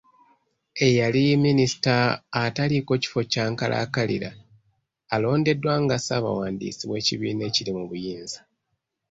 Eyali Minisita ataliiko kifo kya nkalakkalira alondeddwa nga ssaabawandiisi w’ekibiina ekiri mu buyinza.